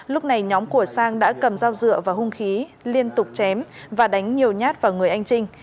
lúc này nhóm của sang đã cầm dao dựa và hung khí liên tục chém và đánh nhiều nhát vào người anh trinh